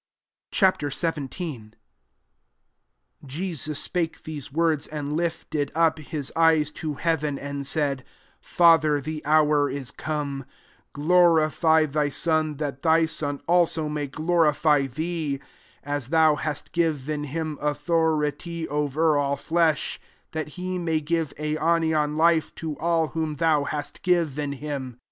^ Ch. XVII. 1 Jesus spake these words, and lifted up his eyes to heaven, and said, " Fa ther, the hour is come ; glorify thy Son, that thy Son [aUa] may glorify thee: 2 as thou hast given him authority over all flesh, that he may give aionian life to all whom thou hast givoi him.